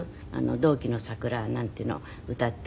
『同期の桜』なんていうの歌って。